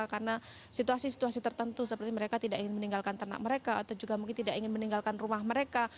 karena situasi situasi tertentu seperti mereka tidak ingin meninggalkan ternak mereka atau juga mungkin tidak ingin meninggalkan rumah mereka